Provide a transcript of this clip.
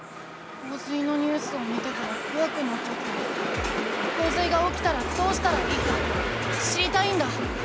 こう水のニュースを見てたらこわくなっちゃってこう水がおきたらどうしたらいいか知りたいんだ。